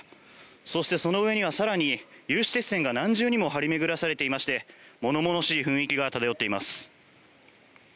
そして、その上には更に有刺鉄線が何重にも張り巡らされていまして物々しい雰囲気が漂っています。